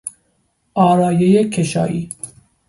آرایهی کشایی